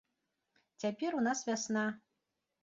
Цяпер у нас вясна.